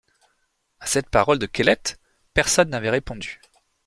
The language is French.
À cette parole de Kellet, personne n’avait répondu.